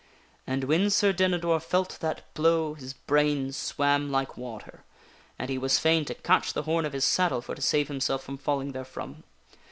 And when Sir Dinador felt that blow, his brains swam like water, and he was fain to catch the horn of his saddle for to save himself from falling therefrom.